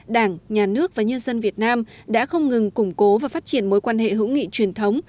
đảng nhà nước và nhân dân việt nam đã không ngừng củng cố và phát triển mối quan hệ hữu nghị truyền thống